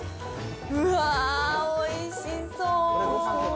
うわー、おいしそう。